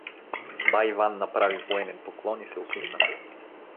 Бай Иван направи военен поклон и се усмихна.